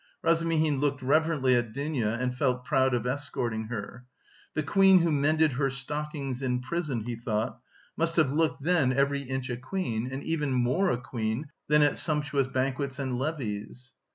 Razumihin looked reverently at Dounia and felt proud of escorting her. "The queen who mended her stockings in prison," he thought, "must have looked then every inch a queen and even more a queen than at sumptuous banquets and levées."